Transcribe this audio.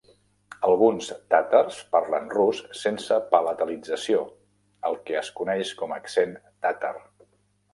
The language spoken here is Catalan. Alguns tàtars parlen rus sense palatalització, el que es coneix com a "accent tàtar".